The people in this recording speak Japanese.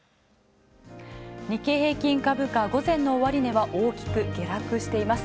日経平均株価、午前の終値は大きく下落しています。